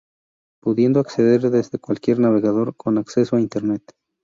Pudiendo acceder desde cualquier navegador con acceso a internet.